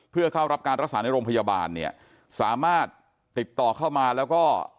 เพื่อเข้ารับการรักษาในโรงพยาบาลเนี่ยสามารถติดต่อเข้ามาแล้วก็